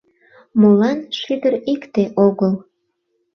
Молан шӱдыр икте огыл?